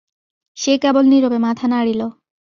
সে কেবল নীরবে মাথা নাড়িল।